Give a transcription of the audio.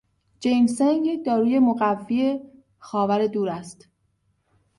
جینسنگ یک داروی مقوی خاور دور است.